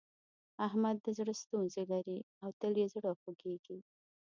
احمد د زړه ستونزې لري او تل يې زړه خوږېږي.